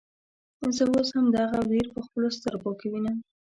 زه اوس هم دغه وير په خپلو سترګو وينم.